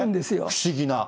不思議な。